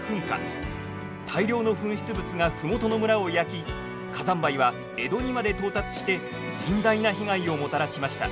大量の噴出物が麓の村を焼き火山灰は江戸にまで到達して甚大な被害をもたらしました。